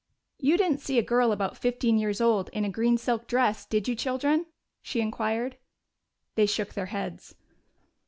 "You didn't see a girl about fifteen years old in a green silk dress, did you, children?" she inquired. They shook their heads.